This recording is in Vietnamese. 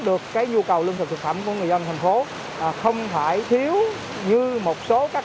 được cái nhu cầu lưu thông thực phẩm của người dân thành phố không phải thiếu như một số các